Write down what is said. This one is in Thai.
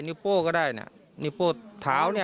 นิวโป้ก็ได้นิวโป้เท้านี่